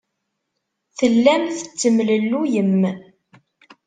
Tellam tettemlelluyem.